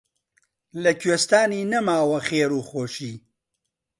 لە کوێستانی نەماوە خێر و خۆشی